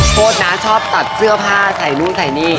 โทษนะชอบตัดเสื้อผ้าใส่นู่นใส่นี่